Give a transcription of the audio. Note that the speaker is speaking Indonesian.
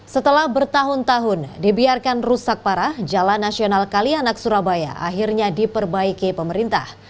setelah bertahun tahun dibiarkan rusak parah jalan nasional kalianak surabaya akhirnya diperbaiki pemerintah